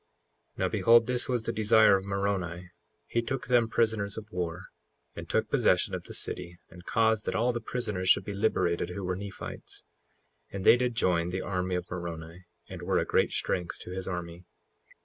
55:24 Now behold, this was the desire of Moroni. He took them prisoners of war, and took possession of the city, and caused that all the prisoners should be liberated, who were Nephites; and they did join the army of Moroni, and were a great strength to his army.